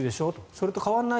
それと変わらない。